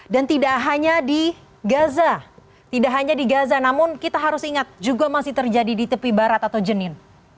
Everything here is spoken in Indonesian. dan tidak hanya di gaza namun kita harus ingat juga masih terjadi di tepi barat atau jenin